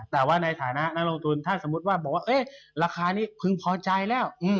แต่ว่าในฐานะนักลงทุนถ้าสมมุติว่าบอกว่าราคานี้พึงพอใจแล้ว